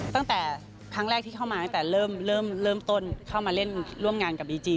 ตั้งแต่ครั้งแรกที่เข้ามาตั้งแต่เริ่มต้นเข้ามาเล่นร่วมงานกับบีจี